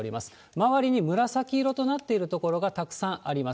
周りに紫色となっている所がたくさんあります。